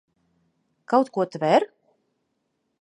Kaut ko tver?